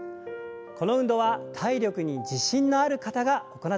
この運動は体力に自信のある方が行ってください。